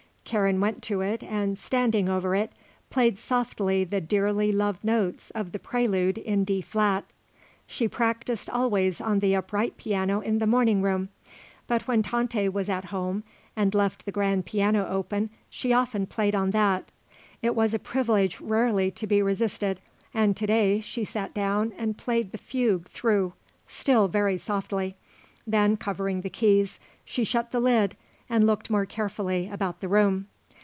Karen went to it and, standing over it, played softly the dearly loved notes of the prelude in D flat. She practised, always, on the upright piano in the morning room; but when Tante was at home and left the grand piano open she often played on that. It was a privilege rarely to be resisted and to day she sat down and played the fugue through, still very softly. Then, covering the keys, she shut the lid and looked more carefully about the room.